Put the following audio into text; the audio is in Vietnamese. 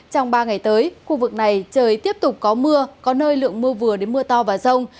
trong ba ngày tới khu vực này trời tiếp tục có mưa có nơi lượng mưa vừa đến mưa to và rông